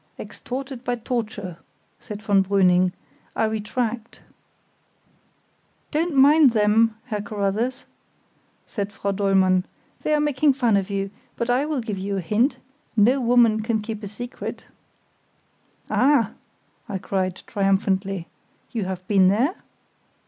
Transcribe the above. "Extorted by torture," said von Brüning. "I retract." "Don't mind them, Herr Carruthers," cried Frau Dollmann, "they are making fun of you; but I will give you a hint; no woman can keep a secret——" "Ah!" I cried, triumphantly, "you have been there?"